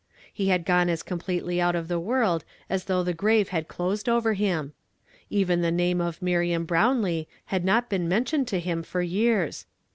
lie had gone as completely out of tho world as though the grave had closed over him. Even the name of Miriam IJrownlee had not heen mentioned to him for years.